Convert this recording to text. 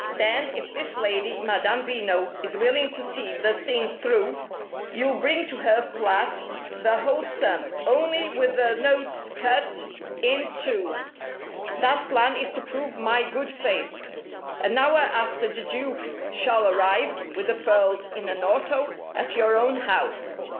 Then, if this lady Madame Veno is willing to see the thing through, you'll bring to her flat the whole sum, only with the notes cut in two. That plan is to prove my good faith. An hour after the Duke shall arrive with the pearls, in an auto at your own house.